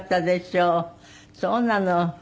そうなの。